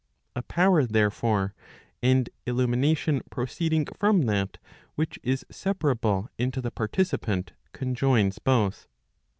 A power, therefore, and illumination proceeding from that which is separable into the participant conjoins both.